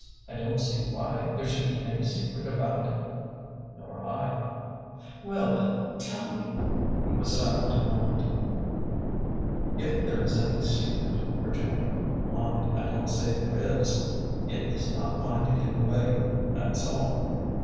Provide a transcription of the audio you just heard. I don't see why there should be any secret about it." " Nor 1." Well, then, tell me !" He was silent a moment. 'Hf there is any secret, Vir ginia, — mind, I don't say there is, — it is not mine to give away. That 's all."